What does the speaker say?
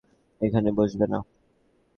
এখানে বসবে না।